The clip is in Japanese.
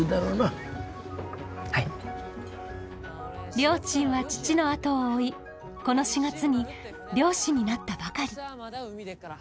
りょーちんは父の後を追いこの４月に漁師になったばかり。